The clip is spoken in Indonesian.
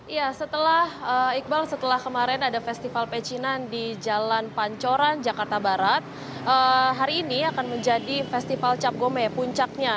ya setelah iqbal setelah kemarin ada festival pecinan di jalan pancoran jakarta barat hari ini akan menjadi festival cap gome puncaknya